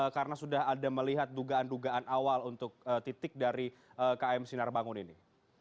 karena sudah ada melihat dugaan dugaan awal untuk titik dari km sinar bangun ini